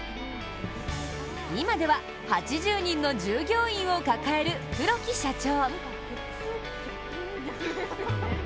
今では８０人の従業員を抱える黒木社長。